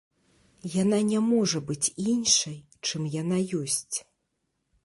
Яна не можа быць іншай, чым яна ёсць.